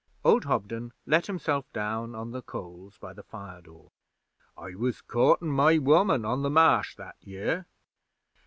Old Hobden let himself down on the coals by the fire door. 'I was courtin' my woman on the Marsh that year.